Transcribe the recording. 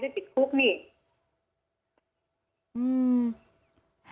โอโหอย่าไปแกล้งความเลยเถี๋ยวมันติดคุก